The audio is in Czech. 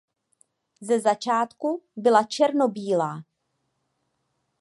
Ze začátku byla černobílá.